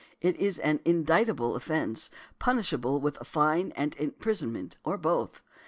It is still an indictable offence, punishable with fine and imprisonment, or both .